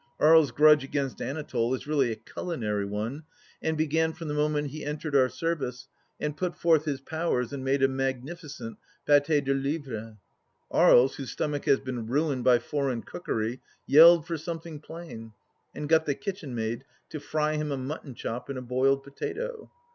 Aries' grudge against Anatole is really a culinary one, and began from the moment he entered our service and put forth his powers and made a magnificent PdtS de lievre. Aries, whose stomach has been ruined by foreign cookery, yelled for some thing plain, and got the kitchenmaid to fry him a mutton chop and a boiled potato.